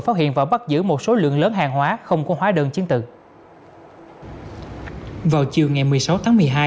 phát hiện và bắt giữ một số lượng lớn hàng hóa không có hóa đơn chiến tự vào chiều ngày một mươi sáu tháng